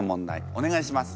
お願いします。